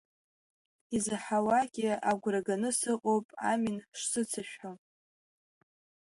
Изаҳауагьы агәра ганы сыҟоуп амин шсыцышәҳәо.